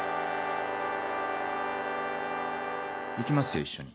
行きますよ一緒に。